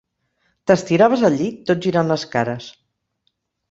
T'estiraves al llit tot girant les cares.